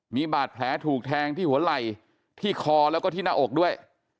มีบาดแผลถูกแทงที่หัวไหล่ที่คอแล้วก็ที่หน้าอกด้วย